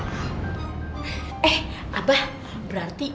eh abah berarti